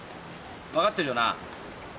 分かってるよな？